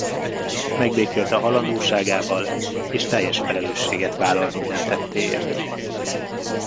Megbékélt a halandóságával és teljes felelősséget vállal minden tettéért.